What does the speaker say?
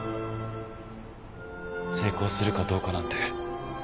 成功するかどうかなんて分からない。